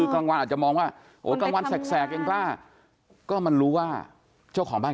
อ๋อกลางวันจะมองว่ากลางวันแสลกแล้วน่าก็มันรู้ว่าเจ้าของบ้าน